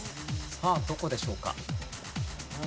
さあどこでしょうか？